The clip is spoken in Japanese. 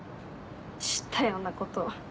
知ったようなこと。